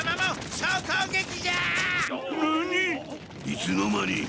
いつの間に？